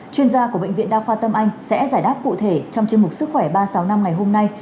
chuyên gia của bệnh viện đa khoa tâm anh sẽ giải đáp cụ thể trong chương mục sức khỏe ba trăm sáu mươi năm ngày hôm nay